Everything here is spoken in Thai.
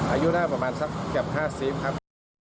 อายุหน้าประมาณสักเกือบ๕๐ครับ